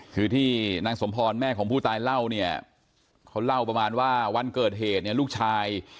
คือที่นางสมพรแม่ของผู้ตายเล่าเนี่ยเขาเล่าประมาณว่าวันเกิดเหตุเนี่ยลูกชาย